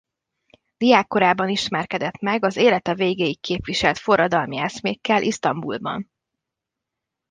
Diákkorában ismerkedett meg az élete végéig képviselt forradalmi eszmékkel Isztambulban.